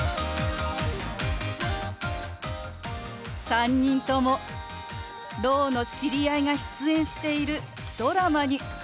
３人ともろうの知り合いが出演しているドラマに夢中のようですね！